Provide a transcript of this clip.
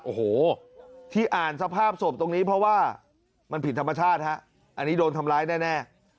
โอ้โหที่อ่านสภาพศพตรงนี้เพราะว่ามันผิดธรรมชาติฮะอันนี้โดนทำร้ายแน่